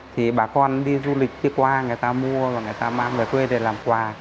thì bà con đi du lịch kia qua người ta mua và người ta mang về quê để làm quà